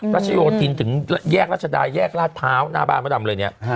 ตระชญโโยคทินท์ถึงแยกรัชดาแยกลาดเถ้าฉันว่ากลานมาดำเลยเนี่ย